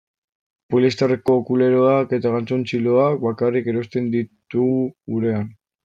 Poliesterreko kuleroak eta galtzontziloak bakarrik erosten ditugu gurean.